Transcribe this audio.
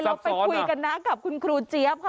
เราไปคุยกันนะกับคุณครูเจี๊ยบค่ะ